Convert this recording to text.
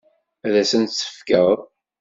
Ad asent-tt-tefkeḍ?